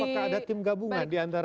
apakah ada tim gabungan di antara